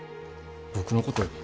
僕のこと。